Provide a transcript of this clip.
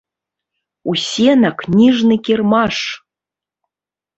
Усе на кніжны кірмаш!